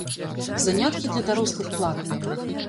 Заняткі для дарослых платныя.